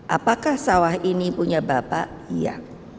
apakah sawah ini punya bapak iya